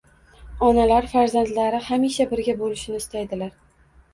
Onalar farzandlari hamisha birga bo‘lishini istaydilar.